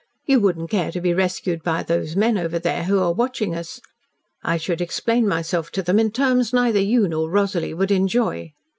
You wouldn't care to be rescued by those men over there who are watching us. I should explain myself to them in terms neither you nor Rosalie would enjoy.